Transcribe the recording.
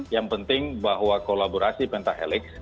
yang penting bahwa kolaborasi pentahelix